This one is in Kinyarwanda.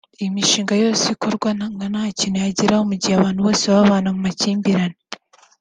Iyi mishinga yose ikorwa ngo ntacyo yageraho mu gihe abantu baba babana mu makimbirane